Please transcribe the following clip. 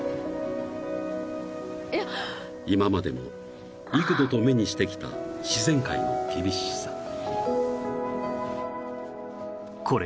［今までも幾度と目にしてきた自然界の厳しさ］